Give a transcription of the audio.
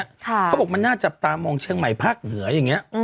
เขาบอกมันน่าจับตามองเชียงใหม่ภาคเหนืออย่างนี้